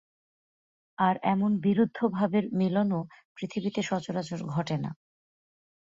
আর এমন বিরুদ্ধভাবের মিলনও পৃথিবীতে সচরাচর ঘটে না।